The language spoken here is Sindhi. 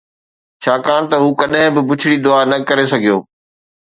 ڇاڪاڻ ته هو ڪڏهن به بڇڙي دعا نه ڪري سگهيو